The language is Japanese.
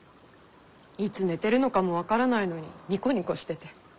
いつ寝てるのかも分からないのにニコニコしてて。